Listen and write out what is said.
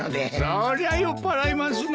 そりゃ酔っぱらいますな。